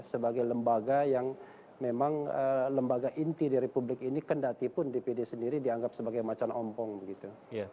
sebagai lembaga yang memang lembaga inti di republik ini kendatipun dpd sendiri dianggap sebagai macan ompong begitu